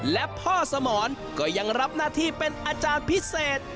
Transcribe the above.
และพ่อสมรก็ยังรับหน้าที่เป็นอาจารย์พิเศษ